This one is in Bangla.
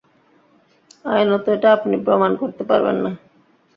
আইনত এটা আপনি প্রমাণ করতে পারবেন না।